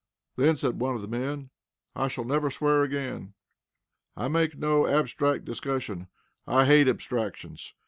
"Then," said one of the men, "I shall never swear again." I make no abstract discussion. I hate abstractions.